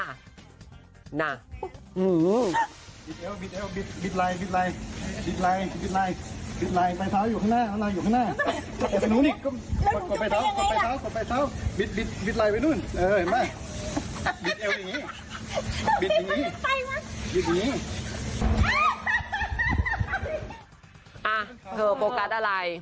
เธอโฟกัสอะไร